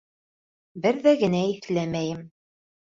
Бер ҙә генә иҫләмәйем.